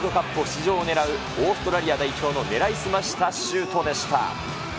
出場を狙うオーストラリア代表の狙い澄ましたシュートでした。